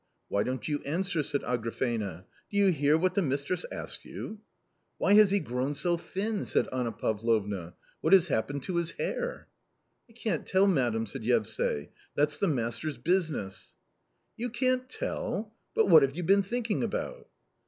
" Why don't you answer ?" said Agrafena ;" do you hear what the mistress asks you ?"" Why has he grown so thin LI' said Anna Pavlovna ;" what has hapfSSneil lb Ins' lia'u i 1 '" I can't tell, madam !" said Yevsay ;" that's the master's business." "You can't tell! But what have you been thinking about?"